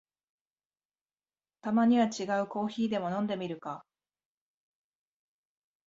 たまには違うコーヒーでも飲んでみるか